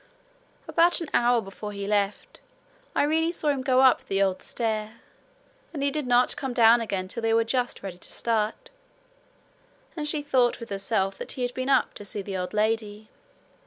About an hour before he left, Irene saw him go up the old stair; and he did not come down again till they were just ready to start; and she thought with herself that he had been up to see the old lady.